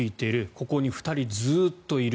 ここに２人、ずっといる。